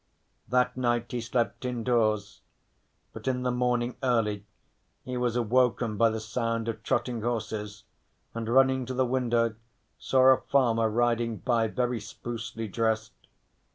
That night he slept indoors, but in the morning early he was awoken by the sound of trotting horses, and running to the window saw a farmer riding by very sprucely dressed.